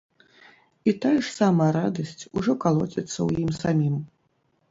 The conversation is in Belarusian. І тая ж самая радасць ужо калоціцца ў ім самім.